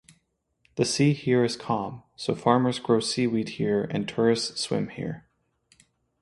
The sea here is calm, so farmers grow seaweed here and tourists swim here.